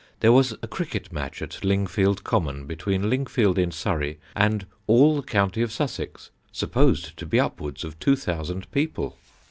There was a cricket match at Lingfield Common between Lingfield in Surrey and all the county of Sussex, supposed to be upwards of 2,000 people.